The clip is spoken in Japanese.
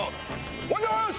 おはようございます！